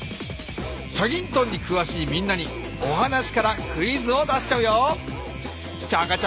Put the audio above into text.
『チャギントン』にくわしいみんなにお話からクイズを出しちゃうよ。